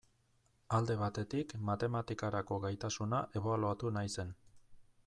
Alde batetik, matematikarako gaitasuna ebaluatu nahi zen.